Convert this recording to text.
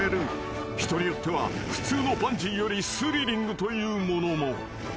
［人によっては普通のバンジーよりスリリングという者も］